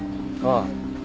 ああ。